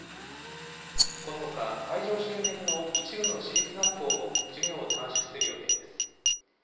このほか会場周辺の一部の私立学校も授業を短縮する予定です。